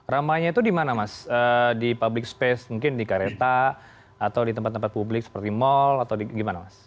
ramainya itu di mana mas di public space mungkin di kereta atau di tempat tempat publik seperti mal atau gimana mas